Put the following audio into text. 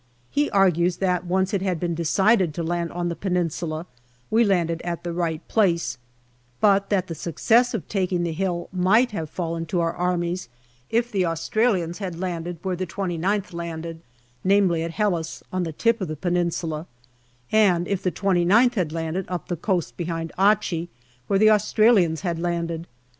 He argues that once it had been decided to land on the Peninsula we landed at the right place, but that the success of taking the hill might have fallen to our armies if the Australians had landed where the 2Qth landed, namely at Helles, on the tip of the Peninsula, MAY 99 and if the 29th had landed up the coast behind Achi, where the Australians had landed.